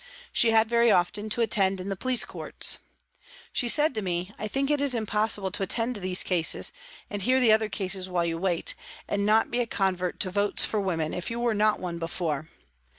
She had very often to attend in the police courts. She said to me : "I think it is impossible to attend these cases, and hear the other cases while you wait, and not be a convert to votes for women if you were not one before.